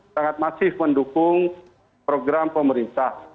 sangat masif mendukung program pemerintah